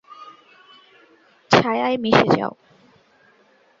ছায়ায় মিশে যাও।